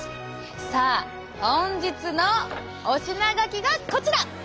さあ本日のお品書きがこちら！